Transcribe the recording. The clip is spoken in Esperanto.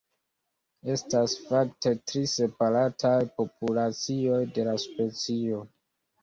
Estas fakte tri separataj populacioj de la specio.